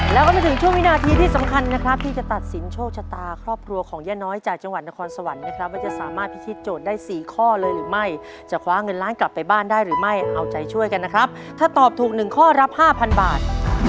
แล้วก็มาถึงช่วงวินาทีที่สำคัญนะครับที่จะตัดสินโชคชะตาครอบครัวของย่าน้อยจากจังหวัดนครสวรรค์นะครับว่าจะสามารถพิธีโจทย์ได้๔ข้อเลยหรือไม่จะคว้าเงินล้านกลับไปบ้านได้หรือไม่เอาใจช่วยกันนะครับถ้าตอบถูกหนึ่งข้อรับ๕๐๐บาท